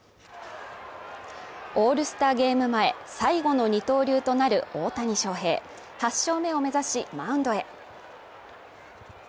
オールスターゲーム前最後の二刀流となる大谷翔平８勝目を目指しマウンドへ。